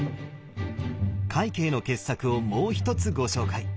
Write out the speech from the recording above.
快慶の傑作をもうひとつご紹介！